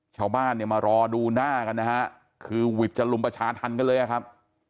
ชาวบ้านเนี่ยมารอดูหน้ากันนะฮะคือวิทย์จะลุมประชาธรรมกันเลยอะครับ